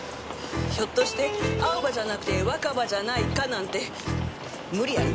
ひょっとして「アオバ」じゃなくて「ワカバ」じゃないかなんて無理ありましたね。